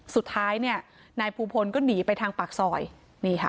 สุดท้ายเนี่ยนายภูพลก็หนีไปทางปากซอยนี่ค่ะ